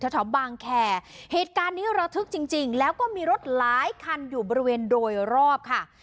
แถวบางแคร์เหตุการณ์นี้ระทึกจริงแล้วก็มีรถหลายคันอยู่บริเวณโดยรอบค่ะ